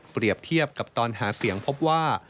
เปรียบเทียบกับตอนหาเสียงพบว่า